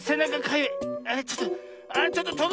ちょっと。